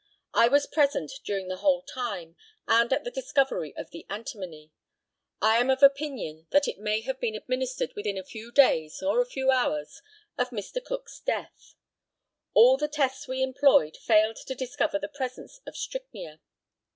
I was present during the whole time, and at the discovery of the antimony. I am of opinion that it may have been administered within a few days, or a few hours, of Mr. Cook's death. All the tests we employed failed to discover the presence of strychnia.